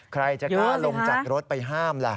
ใครจะกล้าลงจากรถไปห้ามล่ะ